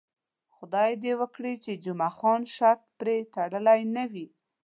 خدای دې وکړي چې جمعه خان شرط پرې تړلی نه وي.